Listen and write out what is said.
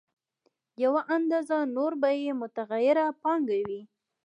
یوه اندازه نوره به یې متغیره پانګه وي